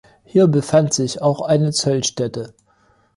Hier befand sich auch eine Zollstätte.